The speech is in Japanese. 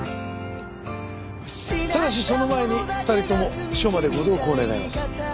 ただしその前に２人とも署までご同行願います。